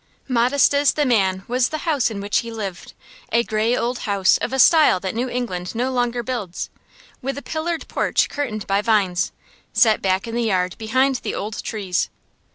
Modest as the man was the house in which he lived. A gray old house of a style that New England no longer builds, with a pillared porch curtained by vines, set back in the yard behind the old trees.